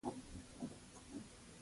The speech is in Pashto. ځکه یې نو د عثمان کورته پناه یووړه.